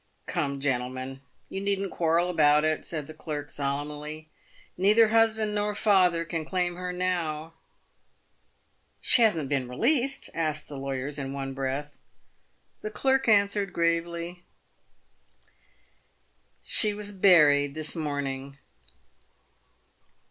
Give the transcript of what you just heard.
" Come gentlemen, you needn't quarrel about it," said the clerk, solemnly, "neither husband nor father can claim her now." " She hasn't been released ?" asked the lawyers in one breath. The clerk answered, gravely, " She was buried this morning."